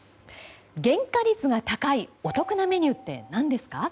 原価率が高いお得なメニューって何ですか？